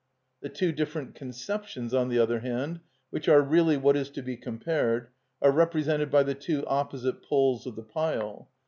The two different conceptions, on the other hand, which are really what is to be compared, are represented by the two opposite poles of the pile.